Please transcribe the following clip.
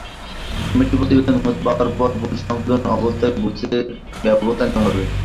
Committee প্রতিবেদন হাতে পাওয়া পর ভুল সংশোধনসহ অবস্থা বুঝে ব্যবস্থা নেওয়া হবে।